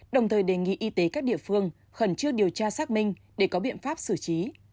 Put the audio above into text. đồng thời đề nghị y tế các địa phương khẩn trương điều tra xác minh để có biện pháp xử trí